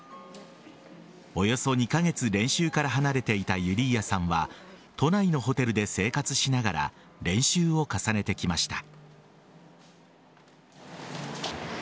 およそ２カ月練習から離れていたユリーアさんは都内のホテルで生活しながら練習を重ねてきました。